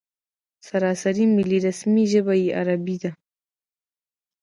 سراسري ملي رسمي ژبه یې عربي ده.